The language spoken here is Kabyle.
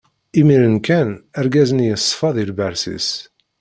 Imiren kan, argaz-nni yeṣfa si lberṣ-is.